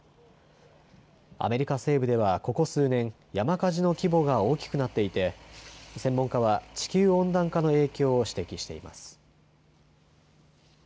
アメリカ西部ではここ数年、山火事の規模が大きくなっていて専門家は地球温暖化の影響を指摘しています。